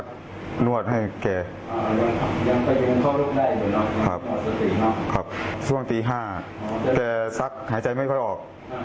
ครับส่วนปี๕แกซักหายใจไม่ค่อยออก